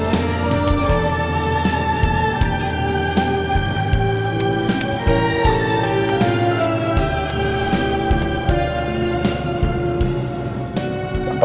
buka jega dengan papa